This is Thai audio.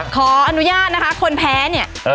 ขออนุญาตนะคะคนแพ้เนี่ย